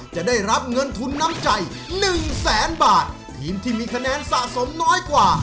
จะได้รับเงินทุนน้ำใจหนึ่งแสนบาททีมที่มีคะแนนสะสมน้อยกว่า